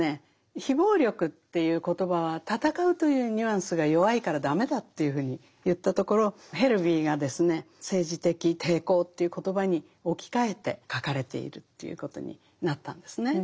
非暴力という言葉は戦うというニュアンスが弱いから駄目だというふうに言ったところヘルヴィーがですね政治的抵抗という言葉に置き換えて書かれているということになったんですね。